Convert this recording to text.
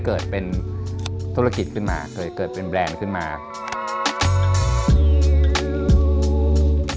เรียกว่าเป็นงานเสริมดีกว่าเพราะว่ามันทำเงินเท่าไปร้องเพลงหรือเปล่าก็ไม่ใช่